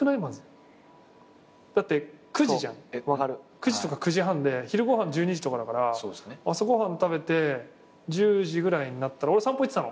９時とか９時半で昼ご飯１２時とかだから朝ご飯食べて１０時ぐらいになったら俺散歩行ってたの。